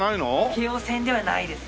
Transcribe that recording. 京王線ではないです。